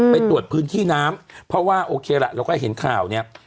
ไปตรวจพื้นที่น้ำเพราะว่าโอเคล่ะเราก็เห็นข่าวเนี่ย